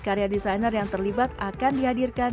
karya desainer yang terlibat akan dihadirkan